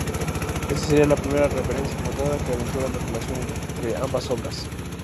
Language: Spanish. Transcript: Ésta sería la primera referencia encontrada que aventura la relación entre ambas obras.